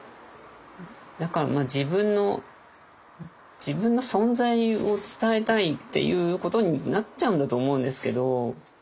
だから「自分の存在を伝えたい」っていうことになっちゃうんだと思うんですけど。